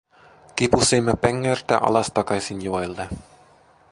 Kipusimme pengertä alas takaisin joelle.